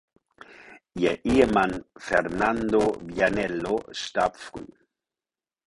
Ihr Ehemann Fernando Vianello starb früh.